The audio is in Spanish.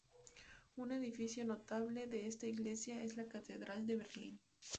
Un edificio notable de esta Iglesia es la Catedral de Berlín.